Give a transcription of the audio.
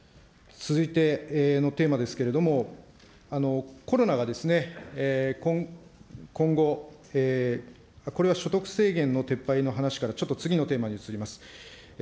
続いてのテーマですけれども、コロナが今後、これは所得制限の撤廃の話からちょっと次のテーマに移ります。